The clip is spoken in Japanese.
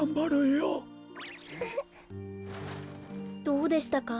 どうでしたか？